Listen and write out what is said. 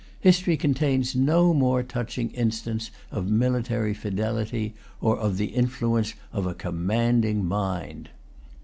History contains no more touching instance of military fidelity, or of the influence of a commanding mind.